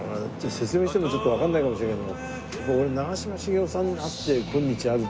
説明してもちょっとわかんないかもしれないけども。